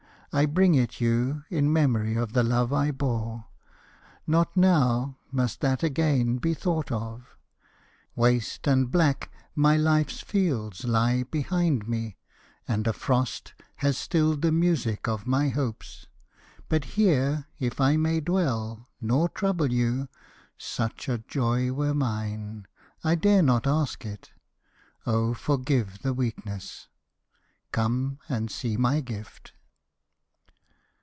I bring it you In memory of the love I bore. Not now Must that again be thought of! Waste and black My life's fields lie behind me, and a frost Has stilled the music of my hopes, but here If I may dwell, nor trouble you, such a joy Were mine, I dare not ask it. Oh forgive The weakness! Come and see my gift!"